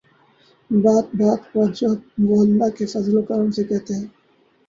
بات بات پر جب وہ'اللہ کے فضل و کرم سے‘ کہتے ہیں۔